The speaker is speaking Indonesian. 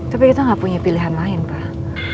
tapi kita nggak punya pilihan lain pak